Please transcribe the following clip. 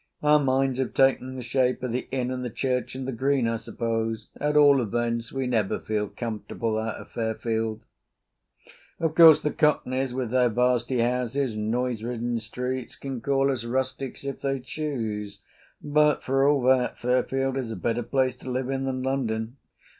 Our minds have taken the shape of the inn and the church and the green, I suppose. At all events we never feel comfortable out of Fairfield. Of course the Cockneys, with their vasty houses and noise ridden streets, can call us rustics if they choose, but for all that Fairfield is a better place to live in than London.